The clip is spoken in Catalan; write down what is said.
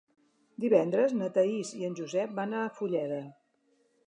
Divendres na Thaís i en Josep van a Fulleda.